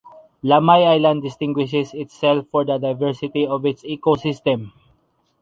Lamay island distinguishes itself for the diversity of its ecosystem.